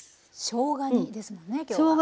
しょうが煮ですもんね今日は。